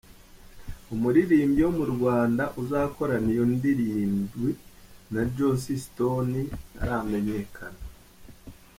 Umuririmbyi wo mu Rwanda uzakorana iyo ndirimbi na Josi Sitone ntaramenyekana.